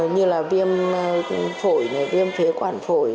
như là viêm phổi viêm phế quản phổi